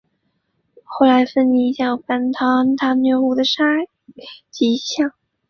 后来芬尼一家又搬到安大略湖的沙吉港。